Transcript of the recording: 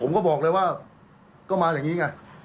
ผมก็บอกเลยว่าก็มาอย่างนี้ไง